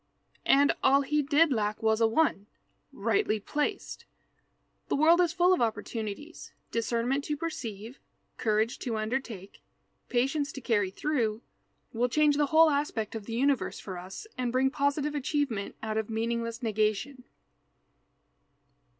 And all he did lack was a one, rightly placed. The world is full of opportunities. Discernment to perceive, courage to undertake, patience to carry through, will change the whole aspect of the universe for us and bring positive achievement out of meaningless negation.